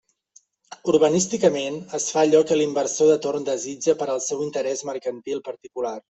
Urbanísticament es fa allò que l'inversor de torn desitja per al seu interés mercantil particular.